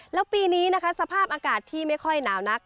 แล้วปีนี้นะคะสภาพอากาศที่ไม่ค่อยหนาวนัก